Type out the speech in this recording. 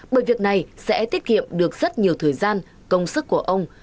bởi việc này sẽ tiết kiệm được rất nhiều thời gian công sức của ông